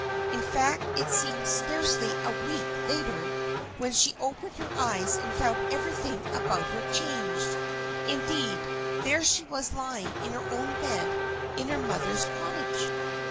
In fact it seemed scarcely a week later, when she opened her eyes and found everything about her changed. Indeed, there she was lying in her own bed in her mother's cottage!